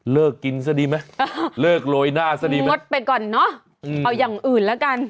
เลิกกินซะดีมั้ยเลิกโรยหน้าซะดีมั้ยงดไปก่อนเนาะเอาอย่างอื่นละกัน